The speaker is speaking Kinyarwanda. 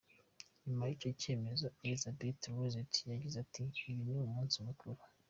Nyuma y’icyo cyemezo Elisabeth Lorentz yagize ati “Uyu ni umunsi mukuru.